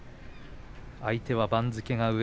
相手は番付が上。